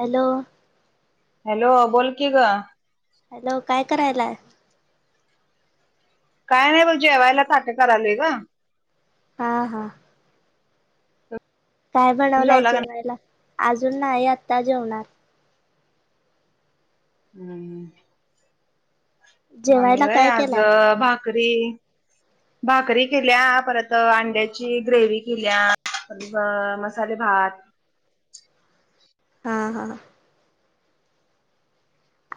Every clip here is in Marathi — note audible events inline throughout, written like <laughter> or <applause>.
हॅलो. हॅलो बोल की ग. हॅलो काय करायलाय? काय नाही बघ जेवायला ताट करायलो ग. हा हा. काय तुम्ही बनवलाय जेवला का जेवायला? अजून नाही आत्ता जेवणार. हम. आम्ही जेवायला वय काय आज केलाय भाकरी भाकरी केल्या परत अंड्याची ग्रेवी केल्या. मग मसाले भात. हा हा.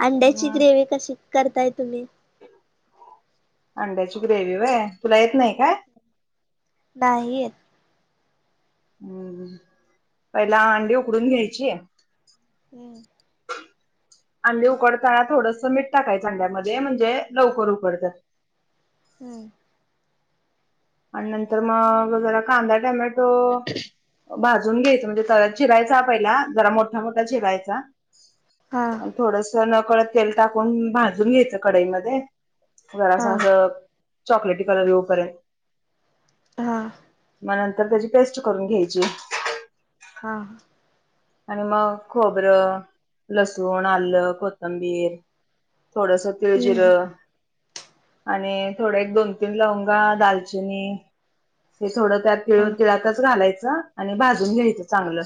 अंड्याची हम्म ग्रेवी कशी करताय तुम्ही? अंड्याची ग्रेवी होय, तुला येत नाही काय? नाही येत. हम्म, पहिला अंडी उकडून घ्यायची हम्म अंडी उकडताना थोडंसं मीठ टाकायचं अंड्या मध्ये, म्हणजे लवकर उकडतात. हम्म, आणि नंतर मग जरा कांदा, टोमॅटो भाजून घ्यायचं म्हणजे चिरायचा पहिला जरा मोठा मोठा चिरायचा. हा. थोडसं नकळतं तेल टाकून भाजून घ्यायचं कडई मध्ये हा जरासं असं चॉकलेटी कलर येऊ पर्यंत. हा. मग नंतर त्याची पेस्ट करून घ्यायची. हा. आणि मग खोबरं, लसूण, आलं कोथंबीर थोडंस तीळ हम्म जिरं. आणि थोडं एक, दोन, तीन लवंगा दालचिनी हे थोडं त्यातं हा तिळ तिळातचं घालायचं आणि भाजून घ्यायचं चांगलं,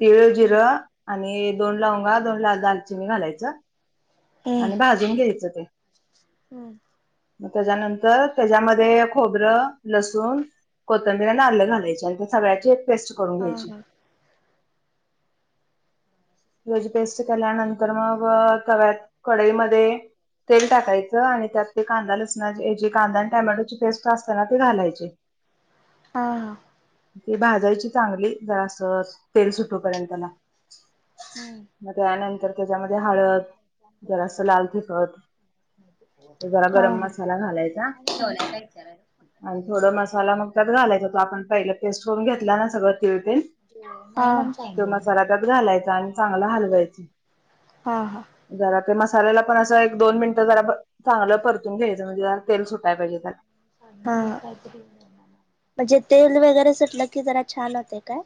तिळ हम्म जिरं. आणि दोन लवंगा दोन दाल, दालचिनी घालायचं. हम्म आणि भाजून घ्यायचं ते. हम्म. मग त्याच्यानंतर त्याच्यामध्ये खोबरं, लसूण कोथंबीर अन आलं घालायच आणि सगळ्याची एक पेस्ट करून हा घ्यायची. हा याची पेस्ट केल्यानंतर मग तव्यात, कडई मध्ये तेल टाकायचं आणि त्यातं ते कांदा लसणाची ह्याची कांदा टोमॅटोची पेस्ट असताना ते घालायची. हां हा. ती भाजायची चांगली जरा असं तेल सुटू पर्यंत त्याला. हम, मग त्यानंतर त्याच्यामध्ये हळद जरासं लाल तिखट जरा हा गरम हा मसाला घालायचा. आणि थोड मसाला मग त्यात घालायचा तो आपण पहिला पेस्ट करून घेतला ना सगळं तिळं ते हा तो मसाला त्यात घालायचा आणि चांगलं हलवायचं. हां हां. जरा ते मसाल्याला पण असं एक दोन मिनिटं जरा चांगलं परतून घ्यायचं म्हणजे तेल सुटायं पाहिजे त्याला. हा म्हणजे तेल वगैरे सुटलं कि जरा छान होते काय?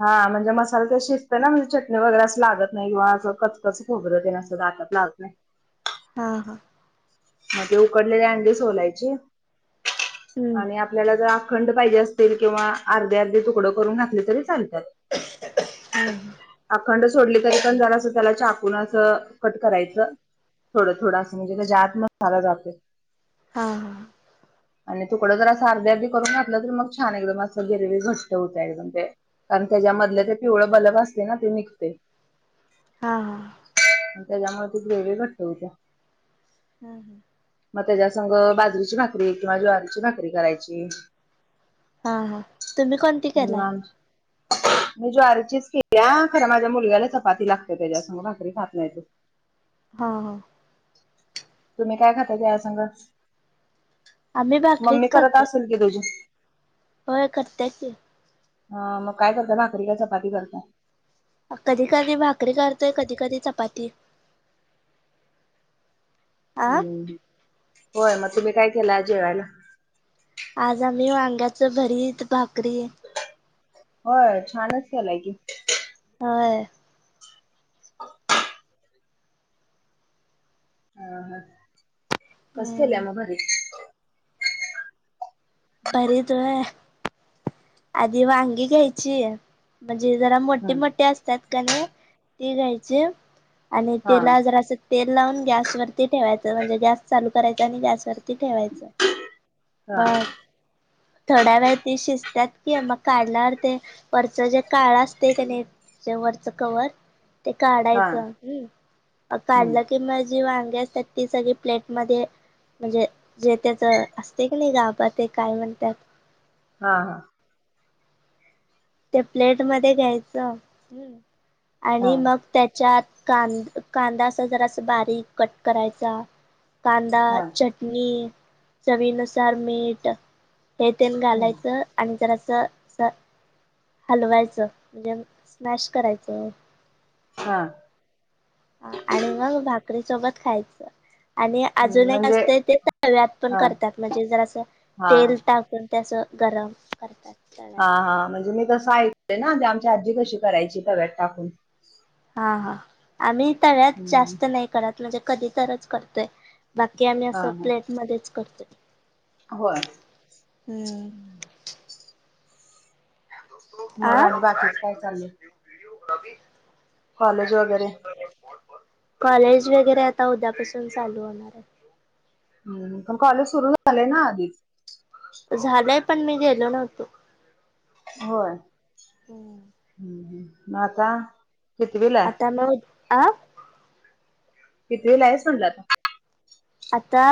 हा म्हणजे मसाले तर शिजते ना म्हणजे चटणी वगैरे असं लागत नाही किंवा असं कचकच खोबर न ते असं दातात लागत नाही. हा हा. मग ते उकडलेली अंडी सोलायची हम्म आणि आपल्याला जर अखंड पाहिजे असतील किंवा अर्धे अर्धे तुकडं करून घातले तरी चालत्यात. हम्म. अखंड सोडले तरी पण जरा असं त्याला चाकून असं कट करायचं थोडं थोडं असं म्हणजे त्याचा आत मसाला जातय. हा हा. आणि तुकडं जर असं आर्धी आर्धी करून घातलं तर मग छान एकदम असं गिरवी घट्ट होत एकदम ते. कारण त्याच्यामधले ते पिवळ बलग असते ना ते निघतय. हा हा. त्याच्यामुळे ती ग्रेव्ही घट्ट होतीय. हम्म हम्म. मग त्याच्या संघ बाजरीची भाकरी किंवा ज्वारीची भाकरी करायची. हा हा तुम्ही कोणती केलाय? मी ज्वारीचीच केल्याय खर माझ्या मुलग्याला चपाती लागते त्याच्यासंग भाकरी खात नाही तो. हा हा. तुम्ही काय खाताय त्या संग आम्ही मम्मी भाकरीच करत खातोय असेल की तुझी? होय करतेय की. अ मग काय करते भाकरी का चपाती करते? कधी कधी भाकरी करते, कधी कधी चपाती. आ हम्म होय मग तुम्ही काय केल आज जेवायला? आज आम्ही वांग्याच भरीत, भाकरी. होय छानच केलाय की. होय. ह ह कस केलंय हम्म मग भरीत? भरीत व्हय. आधी वांगी घ्यायची म्हणजे जरा मोठे हम्म. मोठे अस त्यातकानय ती घ्यायची आणि हा तेला जरा असे तेल लावून गॅसवरती ठेवायचं म्हणजे गॅस चालू करायच आणि गॅसवर ती ठेवायच हा बघ थोड्या वेळ ती शिजत्यात कि मग काढल्यावर ते वरच जे काळ असतय का नाही वरच कवर ते हा काढायचं हम हम्म. काढलं कि मग जी वांगे असतात ती सगळी प्लेटमध्ये म्हणजे जे त्याच असतय की नाही गाबा ते काय म्हणतात. हा हा. ते प्लेट मध्ये घ्यायच. हम्म, हा आणि मग त्याच्यात कांद कांदा असा जरासा अस बारीक कट करायचा. कांदा, हा चटणी, चवीनुसार मीठ हे तेन हम्म घालायच. आणि जरास हलवायच. म्हणजे स्मॅश करायच. हा ह आणि मग भाकरी सोबत खायच. आणि हम्म अजून एक म्हणजे असत ते तव्यात पण हा करतात. म्हणजे जरास हा तेल टाकून. त्ये अस गरम करतात. तव्यात. हा पण. हा म्हणजे मी कस ऐकय ना, ती आमची आजी कशी करायची तव्यात टाकून. हा हा, आम्ही तव्यात हम्म जास्त नाही करत. म्हणजे कधी तरच करतोय. बाकी आम्ही अस हा हा प्लेट मध्येच करतोय. होय हम्म मग आणि बाकीच काय चाललय. व्हिडओग्राफी हम है वगैरे? हरिश्चंद्र कॉलेज वगैरे आता उद्यापासून चालू होणार आहे. हम्म, पण कॉलेज सुरु झाले ना आधी. झालय पण मी गेलो नव्हतो. होय हम्म म आता कितवीला आहे? आता म अ कीतवीला आहेस म्हटल आता. आता,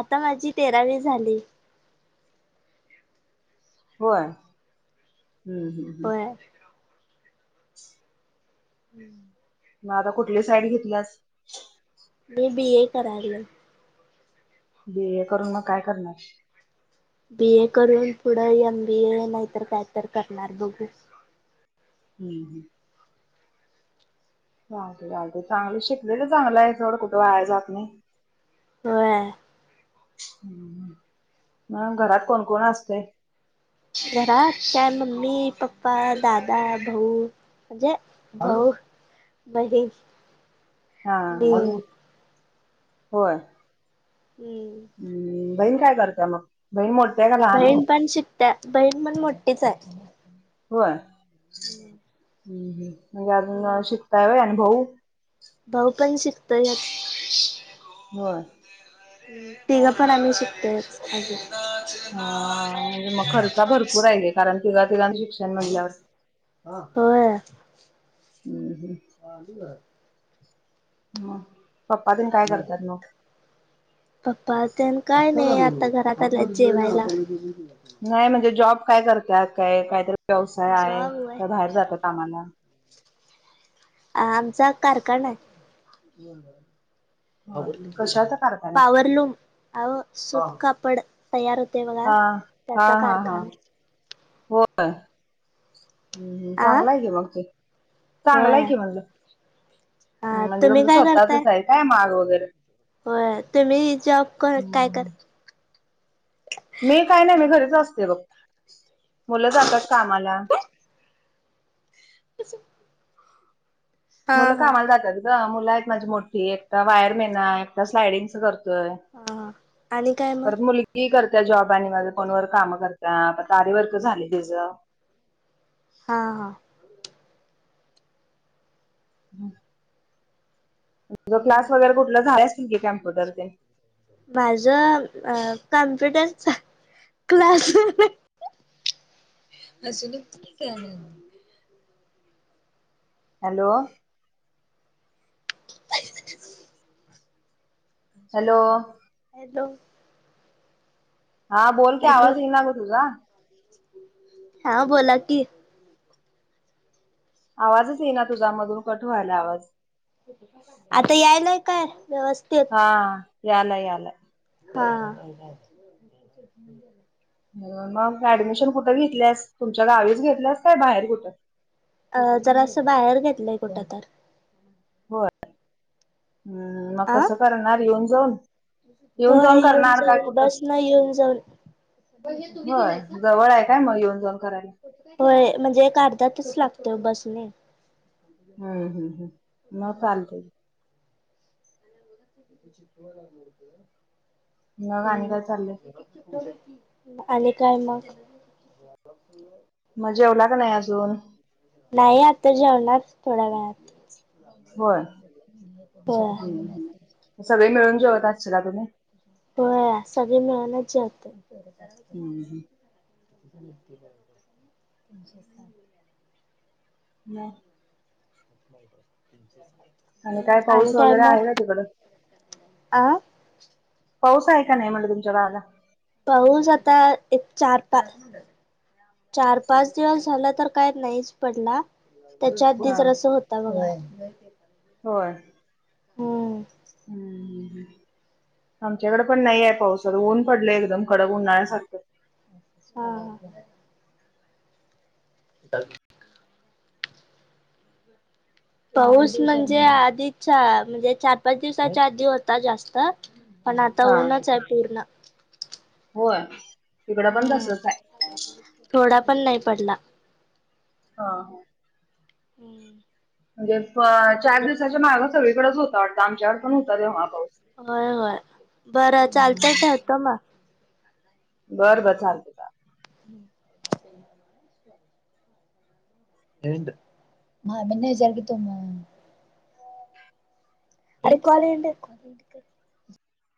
आता माझी तेरावी झाली. होय हम्म हम्म हम्म होय <inaudible> हम्म मग आता कुठली साईड घेतलीयास. मी बी ए करायले. बी ए करून मग काय करणार? बी ए करून पुढ एम बी ए नाहीतर काय तर करणार बघू. हम्म हम्म चालत चालत, चांगल शिकलेल चांगल आहे सोड. कुठ वाया जात नाही. होय हम्म, मग घरात कोण कोण असतय? घरात काय मम्मी, पप्पा, दादा, भाऊ. म्हणजे भाऊ बहिण हा हा होय हम्म हम्म, बहीण काय करता मग. बहिण मोठ्या आहे का? लहान आहे? बहीण पण शिकत्या. बहीण पण मोठीच आहे. होय हम्म हम्म हम्म, म्हणजे अजून शिकताय व्हय. आणि भाऊ? भाऊ पण शिकतोय च. होय! तिघं पण आम्ही शिकतोयच अजून. हा म्हणजे मग खर्च भरपूर आहे की, कारण तिघा तिघा शिक्षण म्हणल्यावर. होय! <inaudible> <unintelligible> म पप्पा तेन काय करत्यात म? पप्पा तेन काय नाही, आता घरात आल्यात जेवायला. नाही म्हणजे जॉब काय करत्यात, काय काहीतरी व्यवसाय आहे, जॉब होय का बाहेर जातात कामाला? आमचा कारकाना आहे. होय कशाचा कारखाना आहे? पावरलूम आवं सूत कापड तयार होतय बघा हा हा त्याचा हा हा कारखाना. हो का. हूं आ चांगलय कि मग ते, होय चांगलंय कि म्हनंल. हा म्हणजे तुम्ही तुमचं काय करताय स्वतःचच आहे काय माग वगैरे. होय तुम्ही जॉब करताय कर हम्म. मी काय नाही मी घरीच असते बघ, मुलं जातात कामाला. <unintelligible> हा मुलं हा कामाला जातात ग मुलं आहेत माझी मोठी एकतां वायरमेन आहे, एकतां स्लायडिंगच करतोय. हा आणि काय म? ती करत्या जॉब आणि माझ फोनवर काम करते, आता त आरीवर्क झालय तिच. हा हा! <inaudible> तुझं क्लास वगैरे कुठलं झालं असतील की कॅम्प्युटर ते. माझं कम्प्युटर अ चा? <unintelligible> हॅलो! <inaudible> Hello hello! हा बोल की हॅलो आवाज येईना ग तुझा. हा बोला की. आवाजच येईना तुझा मधून कट व्हायला आवाज. आता यायलाय काय व्यवस्थित. हा यायला यायला हा! <unintelligible> मग ऍडमिशन कुठं घेतल्यास, तुमच्या गावीच घेतल्यास काय बाहेर कुठं? अ जरा असं बाहेर घेतलंय कुठ तर. होय ह म आ कसं करणार येऊन जाऊन? होय जाऊन येऊन करणार काय जाऊन कुठं बस न येऊन जाऊन. होय जवळ आहे काय म येऊन जाऊन करायला? होय म्हणजे एक अर्धा तस लागतोय बसने. हूं हूं हूं म चालतय. मग आणि काय चाललंय <unintelligible> आणि काय मग? म जेवला का नाही अजून? नाही आता जेवणार थोड्या वेळान होय होय. हम हम सगळी मिळून जेवत आसशिला तुम्ही व्हय सगळी मिळुनच जेवतोय हम हम <unintelligible> नाय <unintelligible> तीन चार <inaudible> आणि काय पाऊस वगैरे आहे काय तिकडं? आ पाऊस आहे का नाही म्हटलं तुमच्या गावाला पाऊस आता एक चार पाच चार पाच दिवस झाला तर काय नाहीच पडला त्याच्या आधी हा जरास होता बघा होय. हम्म हम हम आमच्याकड पण नाही आहे पावस खरं ऊन पडलय एकदम कडक उन्हाळ्या सारख हा हा. चालतंय <unintelligible> पाऊस म्हणजे आधीच्या म्हणजे चार पाच दिवसाच्या आधी होता जास्त पण आता हा ऊनच आहे पूर्ण होय इकडं पण हम्म तसच हाय. थोडा पण नाही पडला. हा हा. म्हणजे चार दिवसाच्या माग सगळीकडच होता वाटता आमच्याकड पण होता तेव्हा पाऊस. होय होय बरं हम्म चालतय ठेवतो म बर बर चालतय. <unintelligible> <inaudible> भाभी नेजाल की तुम आई कॉल ॲन्ड <inaudible>